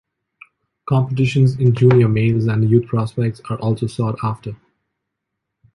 Competitions in junior males and youth prospects are also sought-after.